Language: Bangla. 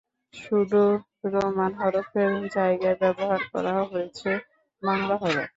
শুধু রোমান হরফের জায়গায় ব্যবহার করা হয়েছে বাংলা হরফ।